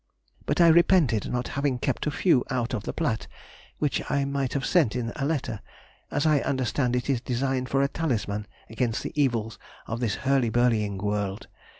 But I repented not having kept a few out of the plait, which I might have sent in a letter, as I understand it is designed for a talisman against the evils of this hurly burlying world.